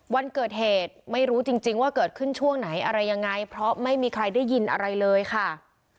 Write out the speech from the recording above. วันเกิดเหตุไม่รู้จริงว่าเกิดขึ้นช่วงไหนอะไรยังไงเพราะไม่มีใครได้ยินอะไรเลยค่ะ